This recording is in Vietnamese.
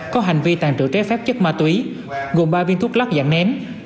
có hành vi tàn trữ trái phép chất ma túy gồm ba viên thuốc lắc dạng nén